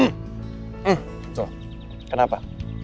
eh tuh kenapa